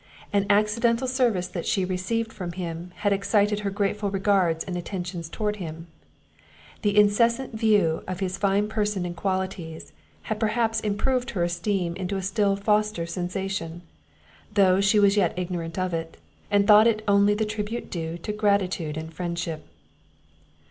An accidental service that she received from him, had excited her grateful regards and attentions towards him. The incessant view of his fine person and qualities, had perhaps improved her esteem into a still softer sensation, though she was yet ignorant of it, and thought it only the tribute due to gratitude and friendship.